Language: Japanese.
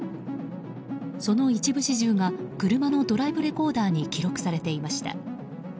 その一部始終が車のドライブレコーダーに記録されていました。